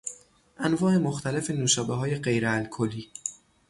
انواع مختلف نوشابههای غیر الکلی